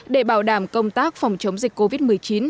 để bảo đảm công tác phòng chống dịch covid một mươi chín